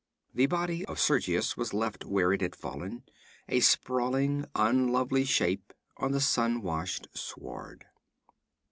The body of Sergius was left where it had fallen; a sprawling, unlovely shape on the sun washed sward.